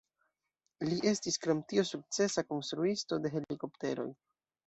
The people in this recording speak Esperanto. Li estis krom tio sukcesa konstruisto de helikopteroj.